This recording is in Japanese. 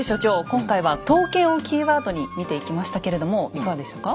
今回は「刀剣」をキーワードに見ていきましたけれどもいかがでしたか？